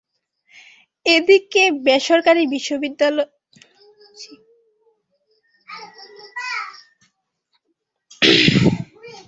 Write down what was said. এদিকে বেসরকারি বিদ্যালয়গুলোর জন্য এখনো নীতিমালা তৈরি করতে পারেনি শিক্ষা মন্ত্রণালয়।